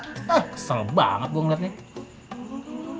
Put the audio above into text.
hah kesel banget gue ngeliat nih